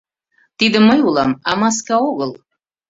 Тиде мый улам, а маска огыл...